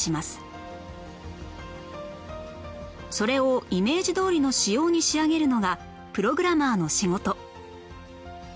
それをイメージどおりの仕様に仕上げるのがプログラマーの仕事